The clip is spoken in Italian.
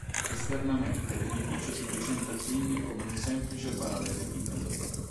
Esternamente l'edificio si presenta quindi come un semplice parallelepipedo.